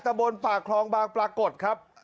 บนปากคลองบางปรากฏครับ